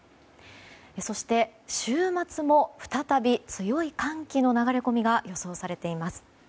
そして週末も再び強い寒気の流れ込みが予想されています。